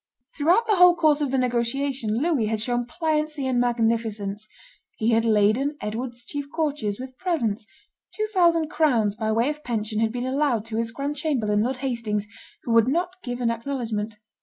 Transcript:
Throughout the whole course of the negotiation Louis had shown pliancy and magnificence; he had laden Edward's chief courtiers with presents; two thousand crowns by way of pension had been allowed to his grand chamberlain, Lord Hastings, who would not give an acknowledgment.